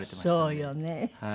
そうよね。